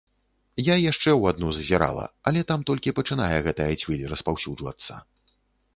Я яшчэ ў адну зазірала, але там толькі пачынае гэтая цвіль распаўсюджвацца.